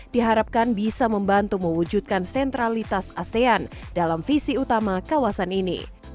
diharapkan bisa membantu mewujudkan sentralitas asean dalam visi utama kawasan ini